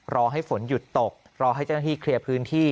รอให้ฝนหยุดตกรอให้เจ้าหน้าที่เคลียร์พื้นที่